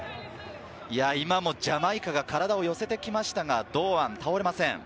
今もジャマイカが体を寄せてきましたが、堂安、倒れません。